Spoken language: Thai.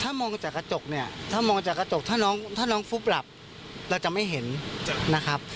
ถ้ามองจากกระจกเนี่ยถ้ามองจากกระจกถ้าน้องถ้าน้องฟุบหลับเราจะไม่เห็นนะครับ